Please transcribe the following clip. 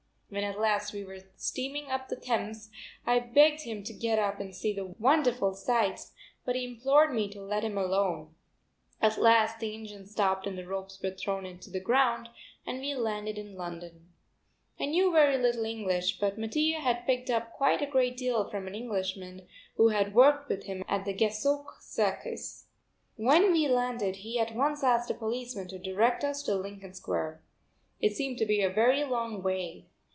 When at last we were steaming up the Thames I begged him to get up and see the wonderful sights, but he implored me to let him alone. At last the engine stopped and the ropes were thrown to the ground, and we landed in London. I knew very little English, but Mattia had picked up quite a great deal from an Englishman who had worked with him at the Gassot Circus. When we landed he at once asked a policeman to direct us to Lincoln Square. It seemed to be a very long way.